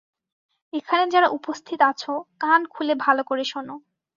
এখানে যারা উপস্থিত আছো, কান খুলে ভালো করে শোনো!